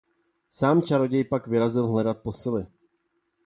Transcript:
Sám čaroděj pak vyrazil hledat posily.